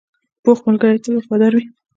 پوخ ملګری تل وفادار وي